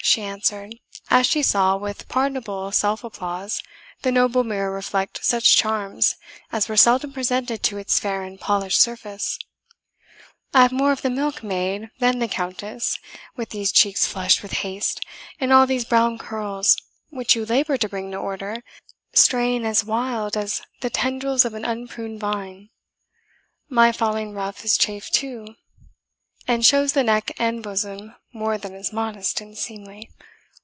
she answered, as she saw, with pardonable self applause, the noble mirror reflect such charms as were seldom presented to its fair and polished surface; "I have more of the milk maid than the countess, with these cheeks flushed with haste, and all these brown curls, which you laboured to bring to order, straying as wild as the tendrils of an unpruned vine. My falling ruff is chafed too, and shows the neck and bosom more than is modest and seemly.